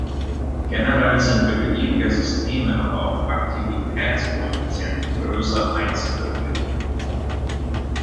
Generell sind für beliebige Systeme aber auch Aktivitätskoeffizienten größer eins möglich.